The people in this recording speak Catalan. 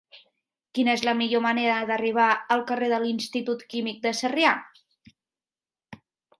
Quina és la millor manera d'arribar al carrer de l'Institut Químic de Sarrià?